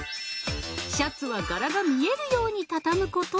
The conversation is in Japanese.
シャツはがらが見えるようにたたむこと。